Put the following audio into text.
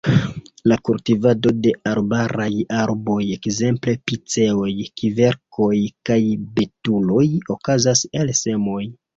La kultivado de arbaraj arboj, ekzemple piceoj, kverkoj kaj betuloj, okazas el semoj.